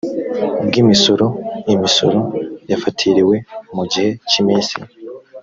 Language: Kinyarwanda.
bw imisoro imisoro yafatiriwe mu gihe cy iminsi